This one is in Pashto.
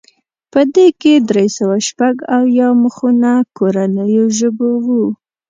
په دې کې درې سوه شپږ اویا مخونه کورنیو ژبو وو.